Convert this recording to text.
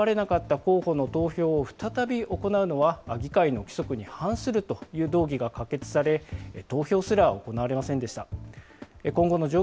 １９日には一度選ばれなかった候補の投票を再び行うのは議会の規則に反するという動議が可決され、投票すら行われませんでした。